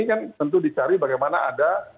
ini kan tentu dicari bagaimana ada